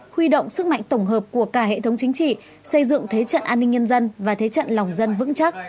huy động sức mạnh tổng hợp của cả hệ thống chính trị xây dựng thế trận an ninh nhân dân và thế trận lòng dân vững chắc